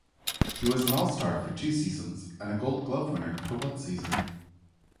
He was an All-Star for two seasons and a Gold Glove winner one season.